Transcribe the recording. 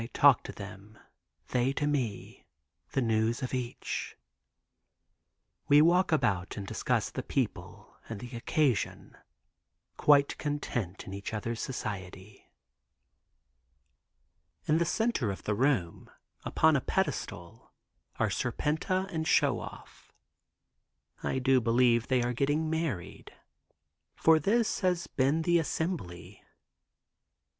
I talk to them; they to me, the news of each. We walk about and discuss the people and the occasion, quite content in each other's society. In the center of the room, upon a pedestal are Serpenta and Show Off. I do believe they have been married, for this has been the assembly.